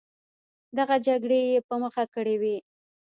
دغه جګړې یې په مخه کړې وې.